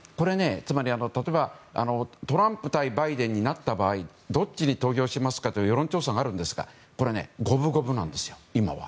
つまり例えばトランプ対バイデンになった場合どっちに投票しますか？という世論調査があるんですがこれは今は五分五分なんですよ。